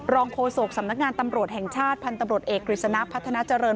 โฆษกสำนักงานตำรวจแห่งชาติพันธุ์ตำรวจเอกกฤษณะพัฒนาเจริญ